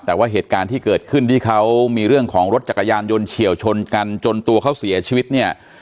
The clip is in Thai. แต่ว่าเหตุการณ์ที่เกิดขึ้นที่เขามีเรื่องของรถจักรยานยนต์เฉียวชนกันจนตัวเขาเสียชีวิตเนี่ย